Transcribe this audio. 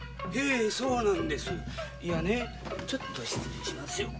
そうなんですいやねちょっと失礼しますよ。